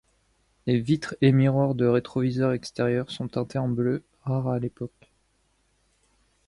Les vitres et miroirs de rétroviseurs extérieurs sont teintées en bleu, rare à l'époque.